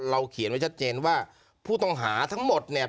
เขียนไว้ชัดเจนว่าผู้ต้องหาทั้งหมดเนี่ย